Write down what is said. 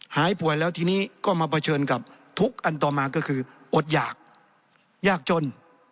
หายป่วยแล้วทีนี้ก็มาเผชิญกับทุกอันต่อมาก็คืออดหยากยากจน